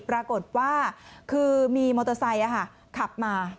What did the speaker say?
ปรากฏว่าคือมีมอเตอร์ไซค์ขับมา